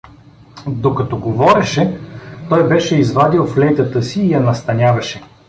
Докато говореше, той беше извадил флейтата си и я настаняваше.